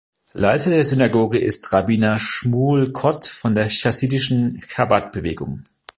Leiter der Synagoge ist Rabbiner Shmuel Kot von der chassidischen Chabad-Bewegung.